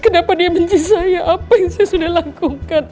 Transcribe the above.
kenapa dia benci saya apa yang saya sudah lakukan